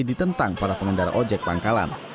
ditentang para pengendara ojek pangkalan